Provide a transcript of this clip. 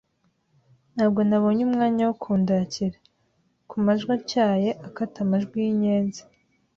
Ntabwo nabonye umwanya wo kundakira. Ku majwi atyaye, akata amajwi y'inyenzi ,.